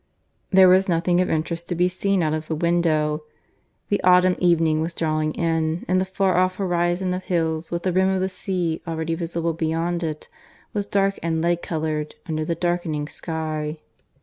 There was nothing of interest to be seen out of the window. The autumn evening was drawing in, and the far off horizon of hills, with the rim of the sea already visible beyond it, was dark and lead coloured under the darkening sky.